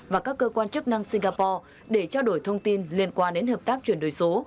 và các cơ quan chức năng singapore để trao đổi thông tin liên quan đến hợp tác chuyển đổi số